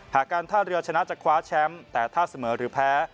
การท่าเรือชนะจะคว้าแชมป์แต่ถ้าเสมอหรือแพ้